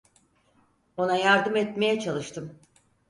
Ona yardım etmeye çalıştım.